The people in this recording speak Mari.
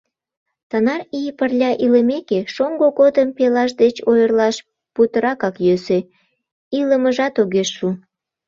Тынар ий пырля илымеке, шоҥго годым пелаш деч ойырлаш путыракак йӧсӧ, илымыжат огеш шу.